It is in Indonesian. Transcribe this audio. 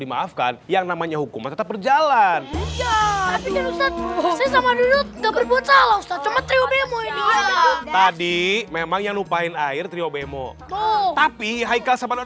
dimaafkan yang namanya hukuman tetap berjalan tapi memang yang lupain air trio bemo tapi